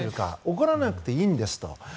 怒らなくていいんですと。